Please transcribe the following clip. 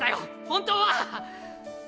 本当は！